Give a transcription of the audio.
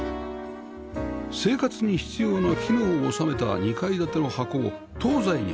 生活に必要な機能を収めた２階建ての箱を東西に配置